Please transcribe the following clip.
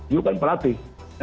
itu kan pelatih